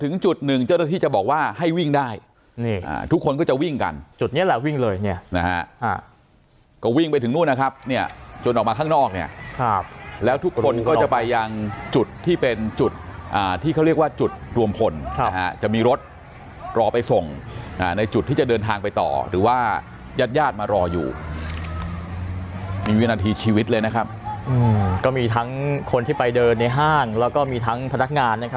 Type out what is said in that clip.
จุดหนึ่งเจ้าหน้าที่จะบอกว่าให้วิ่งได้ทุกคนก็จะวิ่งกันจุดนี้แหละวิ่งเลยเนี่ยนะฮะก็วิ่งไปถึงนู่นนะครับเนี่ยจนออกมาข้างนอกเนี่ยแล้วทุกคนก็จะไปยังจุดที่เป็นจุดที่เขาเรียกว่าจุดรวมพลจะมีรถรอไปส่งในจุดที่จะเดินทางไปต่อหรือว่าญาติญาติมารออยู่นี่วินาทีชีวิตเลยนะครับก็มีทั้งคนที่ไปเดินในห้างแล้วก็มีทั้งพนักงานนะครับ